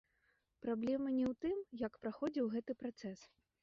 Праблема не ў тым, як праходзіў гэты працэс.